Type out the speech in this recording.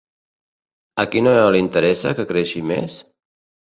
A qui no l’interessa que creixi més?